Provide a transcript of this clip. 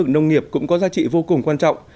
nông nghiệp cũng có giá trị vô cùng quan trọng